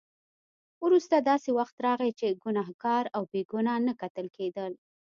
وروسته داسې وخت راغی چې ګناهګار او بې ګناه نه کتل کېدل.